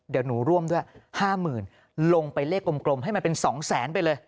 เดี๋ยวหนูร่วมด้วย๕๐๐๐ลงไปเลขกลมให้มันเป็น๒แสนไปเลย